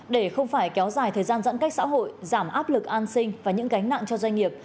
để không phải kéo dài thời gian giãn cách xã hội giảm áp lực an sinh và những gánh nặng cho doanh nghiệp